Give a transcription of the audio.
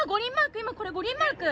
今これ、五輪マーク。